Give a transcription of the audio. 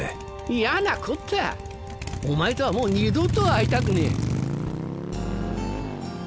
嫌なこったお前とはもう二度と会いたくねえ。